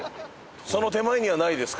その手前にはないですか？